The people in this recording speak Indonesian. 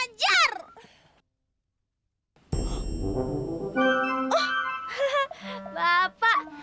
enggak supan banget sih kurang ajar